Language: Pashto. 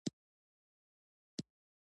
سلیمان غر د اقتصادي منابعو ارزښت زیاتوي.